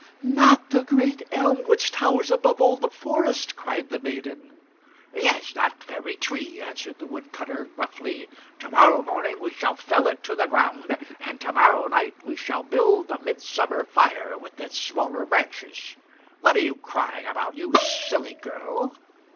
"Not the great elm which towers above all the forest?" cried the maiden. "Yes, that very tree," answered the woodcutter gruffly. "To morrow morning we shall fell it to the ground, and to morrow night we shall build the midsummer fire with its smaller branches. What are you crying about, you silly girl?"